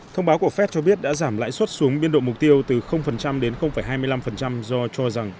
thông báo của fed cho biết đã giảm lãi suất xuống biên độ mục tiêu từ đến hai mươi năm do cho rằng